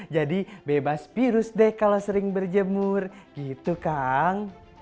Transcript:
jadi bebas virus deh kalau sering berjemur gitu kang